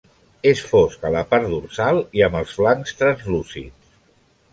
És fosc a la part dorsal i amb els flancs translúcids.